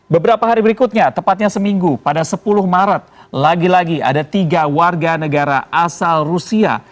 beberapa hari berikutnya tepatnya seminggu pada sepuluh maret lagi lagi ada tiga warga negara asal rusia